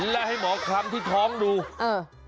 และให้หมอคลำที่ท้องดูเออ